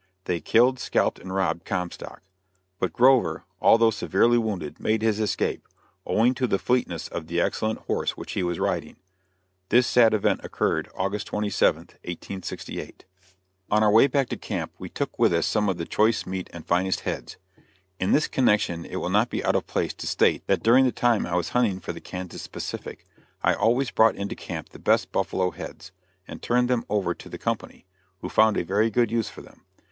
They killed, scalped and robbed Comstock; but Grover, although severely wounded, made his escape, owing to the fleetness of the excellent horse which he was riding. This sad event occurred August 27, 1868.] On our way back to camp, we took with us some of the choice meat and finest heads. In this connection it will not be out of place to state that during the time I was hunting for the Kansas Pacific, I always brought into camp the best buffalo heads, and turned them over to the company, who found a very good use for them.